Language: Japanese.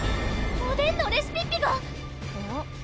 おでんのレシピッピが！